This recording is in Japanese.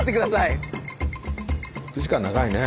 ６時間長いね。